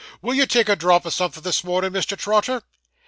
Will you take a drop o' somethin' this mornin', Mr. Trotter?